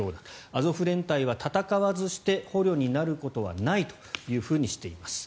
アゾフ連隊は戦わずして捕虜になることはないとしています。